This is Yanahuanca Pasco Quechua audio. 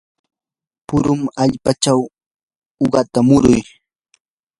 purun allpachaw uqata muruy.